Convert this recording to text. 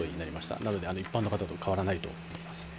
なので一般の方と変わらないと思います。